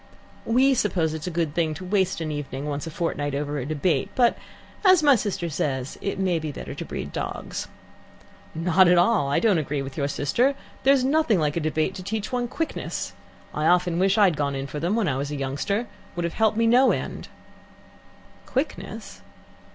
"We suppose it is a good thing to waste an evening once a fortnight over a debate, but, as my sister says, it may be better to breed dogs." "Not at all. I don't agree with your sister. There's nothing like a debate to teach one quickness. I often wish I had gone in for them when I was a youngster. It would have helped me no end." "Quickness